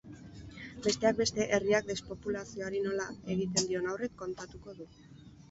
Besteak beste, herriak despopulazioari nola egiten dion aurre kontatuko du.